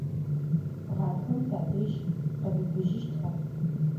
Гъатхэм тадэжь къэбыбыжьыщтха?